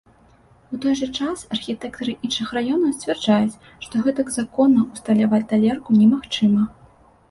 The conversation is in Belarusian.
У той жа час архітэктары іншых раёнаў сцвярджаюць, што гэтак законна ўсталяваць талерку немагчыма.